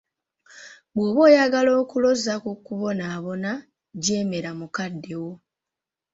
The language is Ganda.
"Bw'oba oyagala okuloza ku kubonaabona, jeemera mukaddewo."